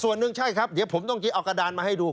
ส่วนหนึ่งใช่ครับเดี๋ยวผมต้องเอากระดานมาให้ดู